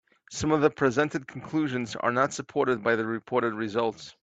Some of the presented conclusions are not supported by the reported results.